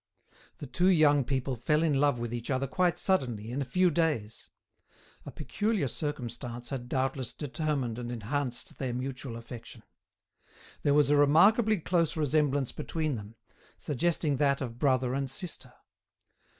The two young people fell in love with each other quite suddenly, in a few days. A peculiar circumstance had doubtless determined and enhanced their mutual affection. There was a remarkably close resemblance between them, suggesting that of brother and sister.